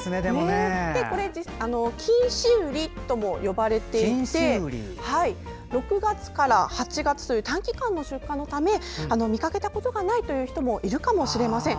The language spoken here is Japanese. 金糸瓜とも呼ばれていて６月から８月という短期間の出荷のため見かけたことがないという人もいるかもしれません。